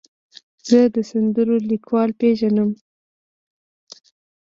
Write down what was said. زه د سندرو لیکوال پیژنم.